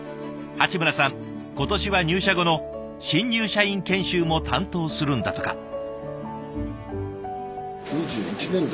鉢村さん今年は入社後の新入社員研修も担当するんだとか。